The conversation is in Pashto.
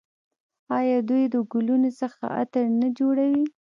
آیا دوی د ګلونو څخه عطر نه جوړوي؟